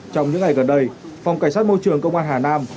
trong những ngày gần đây phòng cảnh sát môi trường công an hà nam